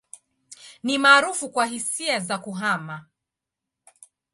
Ni maarufu kwa hisia za kuhama.